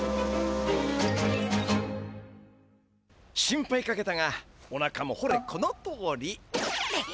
心配かけたがおなかもほれこのとおり。